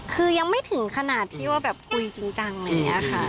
คือยังไม่ถึงขนาดที่ว่าแบบคุยจริงจังอะไรอย่างนี้ค่ะ